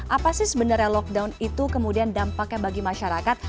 apa sih sebenarnya lockdown itu kemudian dampaknya bagi masyarakat